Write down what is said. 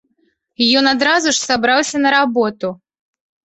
Ён адразу ж сабраўся на работу.